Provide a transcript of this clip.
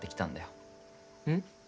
うん？